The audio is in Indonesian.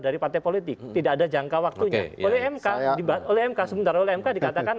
dari partai politik tidak ada jangka waktunya oleh mk dibuat oleh mk sementara oleh mk dikatakan